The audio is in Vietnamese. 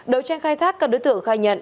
đầu tranh khai thác các đối tượng khai nhận